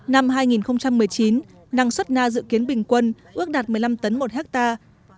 năm hai nghìn một mươi chín năng suất na dự kiến bình quân ước đạt một mươi năm tấn một hectare